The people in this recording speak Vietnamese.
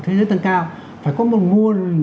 thế giới tăng cao phải có một nguồn